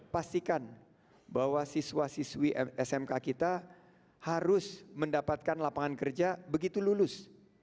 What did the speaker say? pastikan bahwa siswa siswi smk kita harus mendapatkan lapangan kerja begitu lulus